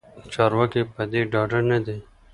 چارواکې پدې ډاډه ندي